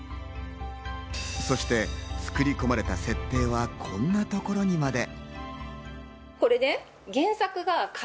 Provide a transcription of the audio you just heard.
そして作り込まれた設定はこんなところにまで。